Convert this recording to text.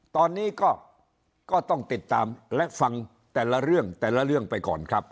ตอนนี้ก็ต้องติดตามและฟังแต่ละเรื่องแต่ละเรื่องไปก่อนครับ